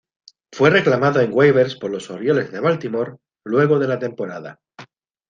Fue reclamado en waivers por los Orioles de Baltimore luego de la temporada.